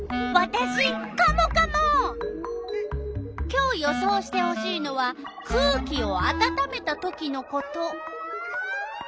今日予想してほしいのは「空気をあたためたときのこと」。